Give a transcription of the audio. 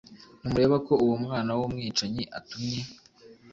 ntimureba ko uwo mwana w umwicanyi atumye